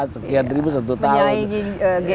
sekian ribu satu tahun